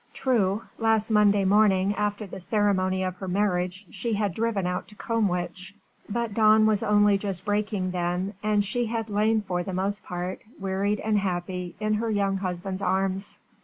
True, last Monday morning after the ceremony of her marriage she had driven out to Combwich, but dawn was only just breaking then, and she had lain for the most part wearied and happy in her young husband's arms.